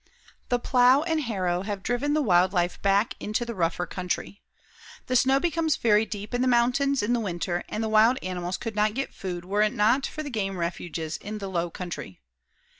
The plow and harrow have driven the wild life back into the rougher country. The snow becomes very deep in the mountains in the winter and the wild animals could not get food were it not for the game refuges in the low country.